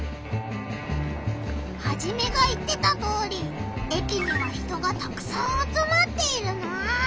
ハジメが言ってたとおり駅には人がたくさん集まっているな！